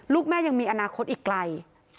ลูกแม่ยังมีอนาคตอีกไกล